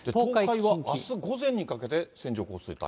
東海はあす午前にかけて、線状降水帯？